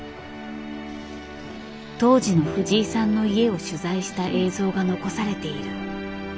当時の藤井さんの家を取材した映像が残されている。